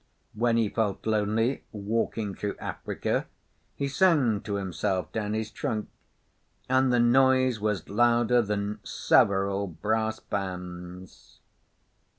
When he felt lonely walking through Africa he sang to himself down his trunk, and the noise was louder than several brass bands.